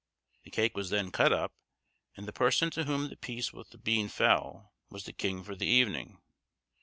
The cake was then cut up, and the person to whom the piece with the bean fell was the king for the evening.